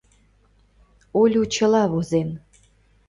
— Олю чыла возен.